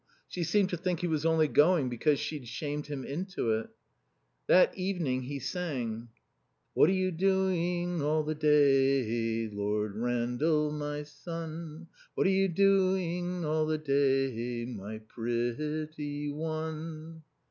She seemed to think he was only going because she'd shamed him into it. That evening he sang: "'What are you doing all the day, Rendal, my son? What are you doing all the day, my pretty one?'"